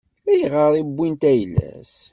Ayɣer i wwint ayla-s?